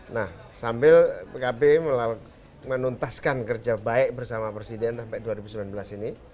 nah sambil pkb menuntaskan kerja baik bersama presiden sampai dua ribu sembilan belas ini